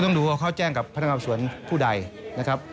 ดูว่าเขาแจ้งกับพนักงานสวนผู้ใดนะครับ